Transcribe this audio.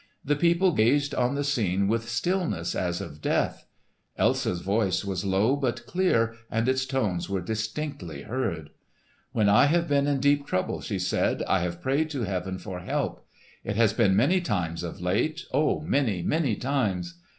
The people gazed on the scene with stillness as of death. Elsa's voice was low but clear, and its tones were distinctly heard. "When I have been in deep trouble," she said, "I have prayed to Heaven for help. It has been many times of late—O, many, many times!